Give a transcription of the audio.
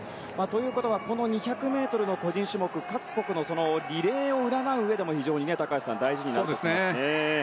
ということはこの２００ｍの個人種目各国のリレーをうらなううえでも高橋さん大事になってきますよね。